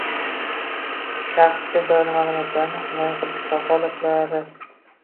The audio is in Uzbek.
Shaxsga doir ma’lumotlarni himoya qilish kafolatlari